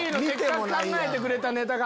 せっかく考えてくれたネタが。